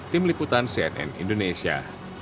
tim liputan cnn indonesia